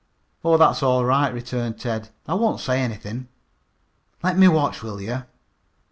"Oh, that's all right," returned Ted. "I won't say anythin'. Let me watch, will yer?"